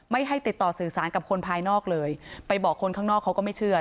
ไม่ให้ติดต่อสื่อสารกับคนภายนอกเลยไปบอกคนข้างนอกเขาก็ไม่เชื่อ